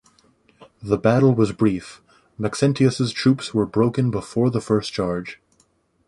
The battle was brief: Maxentius' troops were broken before the first charge.